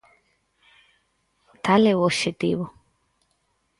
Tal é o obxectivo.